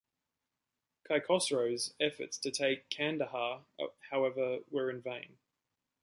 Kaikhosro's efforts to take Kandahar, however, were in vain.